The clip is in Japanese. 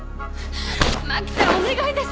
真輝さんお願いです！